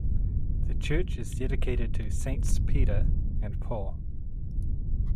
The church is dedicated to Saints Peter and Paul.